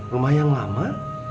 rumah yang lama